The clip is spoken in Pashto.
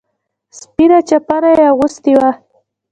سپينه چپنه يې اغوستې وه.